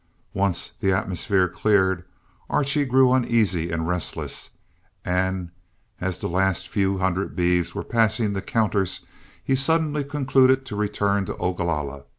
Once the atmosphere cleared, Archie grew uneasy and restless, and as the last few hundred beeves were passing the counters, he suddenly concluded to return to Ogalalla.